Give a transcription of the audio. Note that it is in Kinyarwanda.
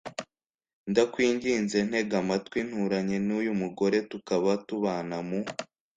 ndakwinginze ntega amatwi. nturanye n'uyu mugore tukaba tubana mu